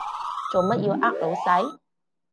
做乜要呃老細？